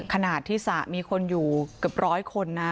ขนาดที่สระมีคนอยู่เกือบร้อยคนนะ